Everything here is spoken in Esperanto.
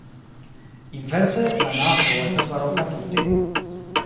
Inverse, la navo estas baroka tute.